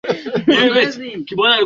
kwamba huyu fulani basi wakati anagobea